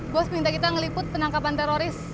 bos minta kita ngeliput penangkapan teroris